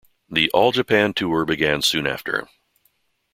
The all-Japan tour began soon after.